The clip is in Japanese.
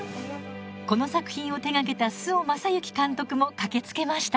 この作品を手がけた周防正行監督も駆けつけました。